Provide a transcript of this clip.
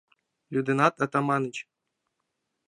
Лӱдынат, Атаманыч?